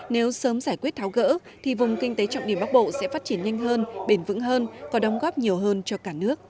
nếu sớm giải quyết tháo gỡ thì vùng kinh tế trọng điểm bắc bộ sẽ phát triển nhanh hơn bền vững hơn có đóng góp nhiều hơn cho cả nước